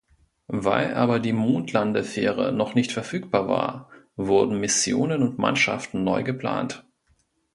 Weil aber die Mondlandefähre noch nicht verfügbar war, wurden Missionen und Mannschaften neu geplant.